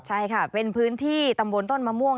ใช่ค่ะเป็นพื้นที่ตำบลต้นมะม่วง